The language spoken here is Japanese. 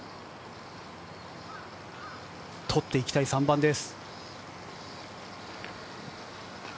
取っていきたい３番です。